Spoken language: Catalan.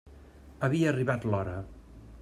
Havia arribat l'hora.